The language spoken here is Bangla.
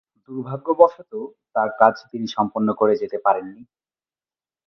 দুর্ভাগ্যবশত তার কাজ তিনি সম্পন্ন করে যেতে পারেন নি।